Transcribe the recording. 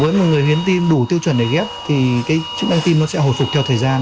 với một người hiến tim đủ tiêu chuẩn để ghép thì cái chức năng tim nó sẽ hồi phục theo thời gian